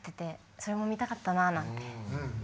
それも見たかったななんて。